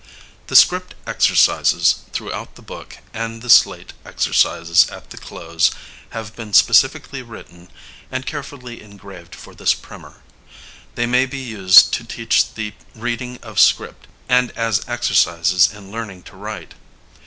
The script exercises throughout the book and the slate exercises at the close, have been specially written and carefully engraved for this Primer; they may be used to teach the reading of script, and as exercises in learning to write.